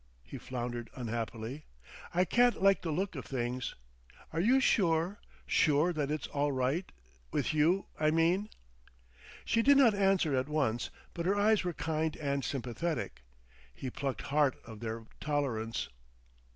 he floundered unhappily. "I can't like the look of things. Are you sure sure that it's all right with you, I mean?" She did not answer at once; but her eyes were kind and sympathetic. He plucked heart of their tolerance.